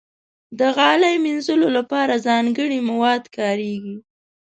د غالۍ مینځلو لپاره ځانګړي مواد کارېږي.